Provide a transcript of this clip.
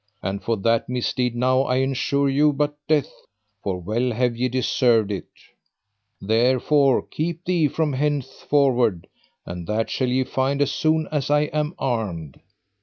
And for that misdeed now I ensure you but death, for well have ye deserved it; therefore keep thee from henceforward, and that shall ye find as soon as I am armed.